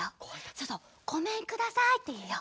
そうそう「ごめんください」っていうよ。